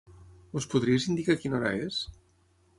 Ens podries indicar quina hora és?